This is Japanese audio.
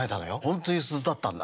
本当に「鈴」だったんだ。